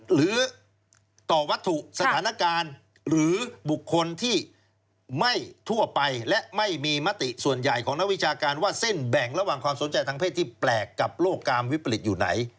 หรือต่อวัตถุสถานการณ์หรือบุคคลที่ไม่ทั่วไปและไม่มีมติส่วนใหญ่ของนักวิชาการว่าเส้นแบ่งระหว่างความสนใจทางเพศที่แปลกกับโรคกามวิปริตอยู่ไหน